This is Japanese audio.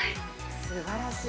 すばらしい。